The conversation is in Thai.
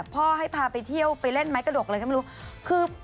พ่อให้พาไปเที่ยวไปเล่นไม้กระดกอะไรก็ไม่รู้